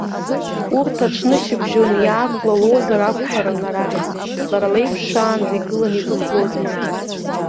Урҭ аҽнышьыбжьон иаақәлалозар акәхарын арахь, лара леиԥш шаанӡа игыланы идәықәлозма.